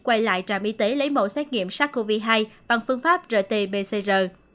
quay lại trạm y tế lấy mẫu xét nghiệm sars cov hai bằng phương pháp rt pcr